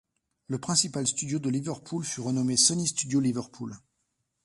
Le principal studio de Liverpool fut renommé Sony Studio Liverpool.